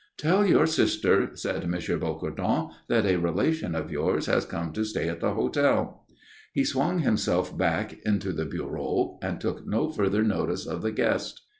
"Tell your sister," said M. Bocardon, "that a relation of yours has come to stay in the hotel." He swung himself back into the bureau and took no further notice of the guest.